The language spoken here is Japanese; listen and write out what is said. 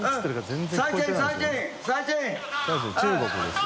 中国ですよ。